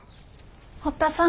堀田さん。